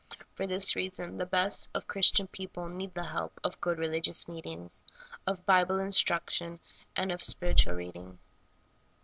For this reason, the best of Christian people need the help of good, religious meetings, of Bible instruction, and of spiritual reading.